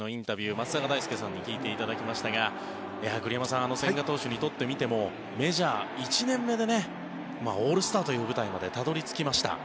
松坂大輔さんに聞いていただきましたが栗山さん千賀投手にとってみてもメジャー１年目でオールスターという舞台までたどり着きました。